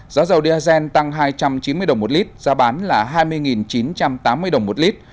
giá xăng e năm tăng hai trăm chín mươi đồng một lit giá bán là hai mươi chín trăm tám mươi đồng một lit